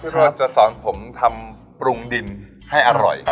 เขาจะสอนผมทำปรุงดินให้อร่อย